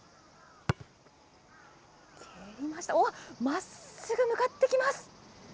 まっすぐ向かってきます。